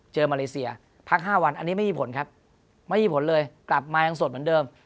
มาเลเซียพัก๕วันอันนี้ไม่มีผลครับไม่มีผลเลยกลับมายังสดเหมือนเดิม